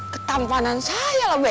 ketampanan saya lah be